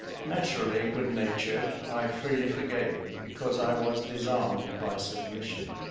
Naturally good natured, I freely forgave, because I was disarmed by submission.